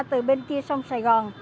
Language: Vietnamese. từ bên kia sông sài gòn